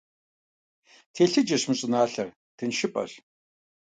Телъыджэщ мы щӀыналъэр, тыншыпӀэщ.